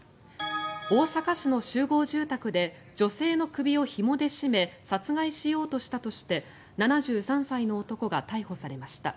大阪市の集合住宅で女性の首をひもで絞め殺害しようとしたとして７３歳の男が逮捕されました。